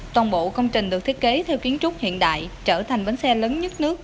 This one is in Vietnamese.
toàn bộ công trình được thiết kế theo kiến trúc hiện đại trở thành bến xe lớn nhất nước